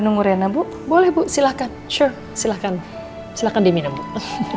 nunggu rena bu boleh bu silakan silakan silakan diminum terima kasih